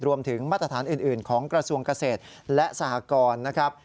รวมถึงมาตรฐานอื่นของกระทรวงเกษตรและสหกร